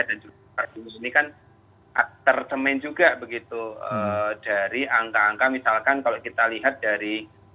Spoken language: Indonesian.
dan juga kasus ini kan tertemen juga begitu dari angka angka misalkan kalau kita lihat dari